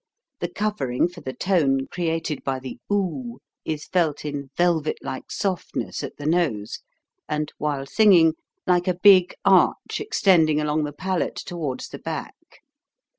The covering for the tone created by the oo is felt in velvet like softness at the nose and, while singing, like a big arch extending along the palate towards the back.